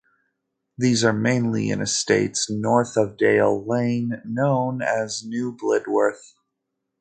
These are mainly in estates north of Dale Lane, known as New Blidworth.